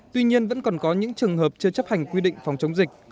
tuy nhiên vẫn còn có những trường hợp chưa chấp hành quy định phòng chống dịch